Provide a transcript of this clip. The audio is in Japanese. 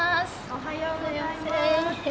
おはようございます。